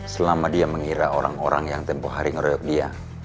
selama dia mengira orang orang yang tempoh hari ngeroyok dia